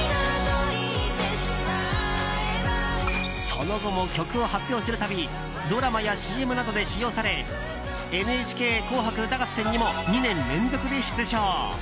その後も曲を発表する度ドラマやＣＭなどで使用され「ＮＨＫ紅白歌合戦」にも２年連続で出場。